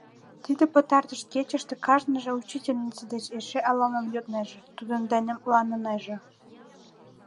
Тиде пытартыш кечыште кажныже учительнице деч эше ала-мом йоднеже, тудын дене мутланынеже.